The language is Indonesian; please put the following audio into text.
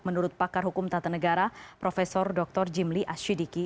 menurut pakar hukum tata negara prof dr jimli ashidiki